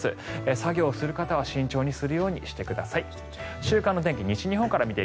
作業をする方は慎重にするようにしてください。